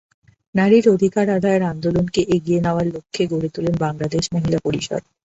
নারীর অধিকার আদায়ের আন্দোলনকে এগিয়ে নেওয়ার লক্ষ্যে গড়ে তোলেন বাংলাদেশ মহিলা পরিষদ।